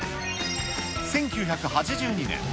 １９８２年。